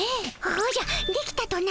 おじゃできたとな？